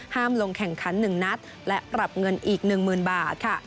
ห้ามลงแข่งขั้นหนึ่งนัดและปรับเงินอีกหนึ่งหมื่นบาท